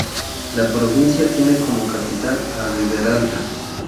La provincia tiene como capital a Riberalta.